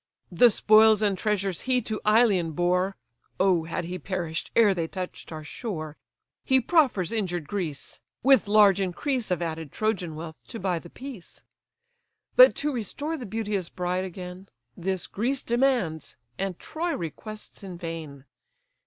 The spoils and treasures he to Ilion bore (Oh had he perish'd ere they touch'd our shore!) He proffers injured Greece: with large increase Of added Trojan wealth to buy the peace. But to restore the beauteous bride again, This Greece demands, and Troy requests in vain.